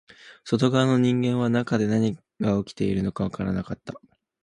外側の人間は中で何が起きているのかわからなかった